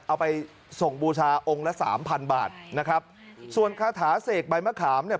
เอาไปส่งบูชาองค์ละสามพันบาทนะครับส่วนคาถาเสกใบมะขามเนี่ย